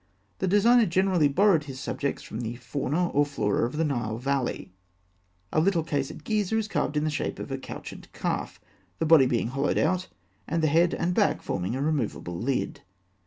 The designer generally borrowed his subjects from the fauna or flora of the Nile valley. A little case at Gizeh is carved in the shape of a couchant calf, the body being hollowed out, and the head and back forming a removable lid.